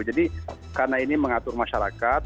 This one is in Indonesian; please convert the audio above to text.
jadi karena ini mengatur masyarakat